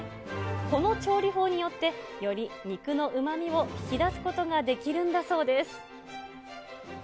この調理法によって、より肉のうまみを引き出すことができるんだそうです。